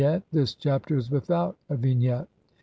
] Vignette : This Chapter is without a vignette.